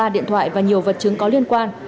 ba điện thoại và nhiều vật chứng có liên quan